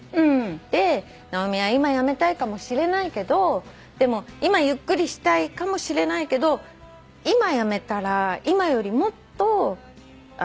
直美は今辞めたいかもしれないけどでも今ゆっくりしたいかもしれないけど今辞めたら今よりもっと大変になっちゃうかもしれない。